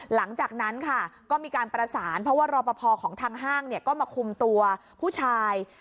หลังจากนั้นค่ะก็มีการประสานเพราะว่ารอปภของทางห้างก็มาคุมตัวผู้ชาย